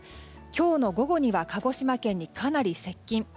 今日の午後には鹿児島県にかなり接近。